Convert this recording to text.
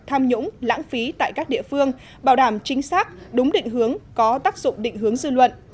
tham nhũng lãng phí tại các địa phương bảo đảm chính xác đúng định hướng có tác dụng định hướng dư luận